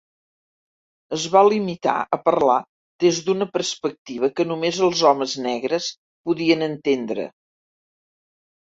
Es va limitar a parlar des d'una perspectiva que només els homes negres podien entendre.